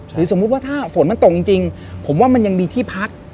สมมุติว่าถ้าฝนมันตกจริงผมว่ามันยังมีที่พัก